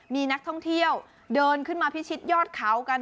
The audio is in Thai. มีนักท่องเที่ยวเดินขึ้นมาพิชิตยอดเขากัน